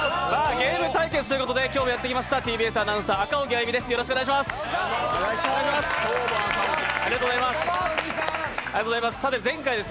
ゲーム対決ということで今日もやってきましたＴＢＳアナウンサー、赤荻歩です。